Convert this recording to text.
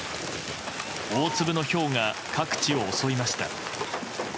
大粒のひょうが各地を襲いました。